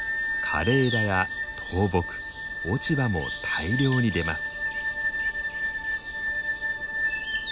枯れ枝や倒木落ち葉も大量に出ます。